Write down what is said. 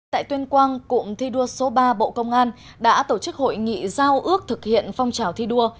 tại tuyên quang cụm thi đua số ba bộ công an đã tổ chức hội nghị giao ước thực hiện phong trào thi đua